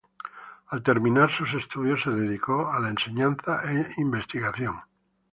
Al terminar sus estudios se dedicó a la enseñanza e investigación.